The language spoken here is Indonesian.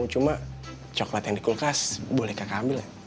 cuma coklat yang dikulkas boleh kakak ambil ya